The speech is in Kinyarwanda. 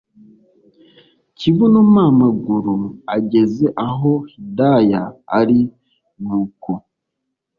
kibunompamaguru ageze aho hidaya ari nuko